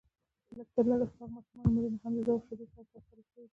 د لږ تر لږه شپږو ماشومانو مړینه هم ددغو شیدو سره تړل شوې ده